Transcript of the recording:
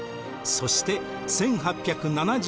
そして１８７７年。